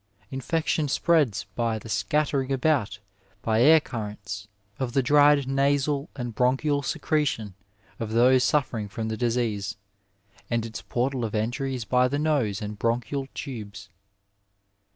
Infection spreads by the scattering about by air cuirents of the dried nasal and bronchial secretion of those suffer ing from the disease, and its portal of entry is by the nose and bronchial tubes.